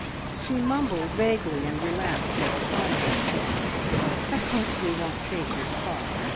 She mumbled vaguely, and relapsed into silence. "Of course we won't take your car.